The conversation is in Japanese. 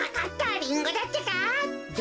リンゴだってか。